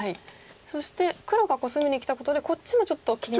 そして黒がコスミにきたことでこっちもちょっと気になるんですか。